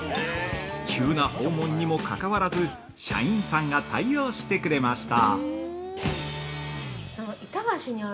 急な訪問にかかわらず、社員さんが対応してくれました。